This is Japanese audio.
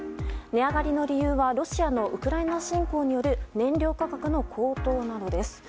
値上がりの理由はロシアのウクライナ侵攻による燃料価格の高騰などです。